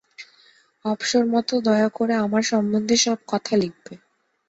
অবসরমত দয়া করে আমার সম্বন্ধে সব কথা লিখবে।